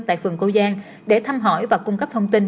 tại phường cô giang để thăm hỏi và cung cấp thông tin